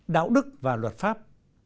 đạo đức và luật pháp